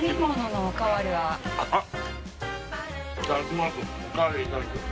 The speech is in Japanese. あっ。